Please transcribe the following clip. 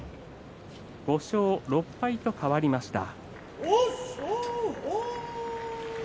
５勝６敗と変わりました。